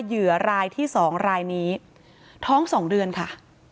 เหยื่อรายที่๒รายนี้ท้อง๒เดือนค่ะ